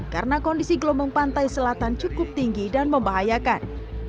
karena kondisi gelombang pantai selatan cukup tinggi dan membahayakan